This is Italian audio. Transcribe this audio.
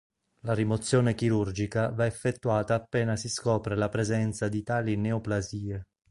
La rimozione chirurgica va effettuata appena si scopre la presenza di tali neoplasie.